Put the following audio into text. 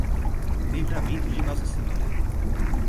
Livramento de Nossa Senhora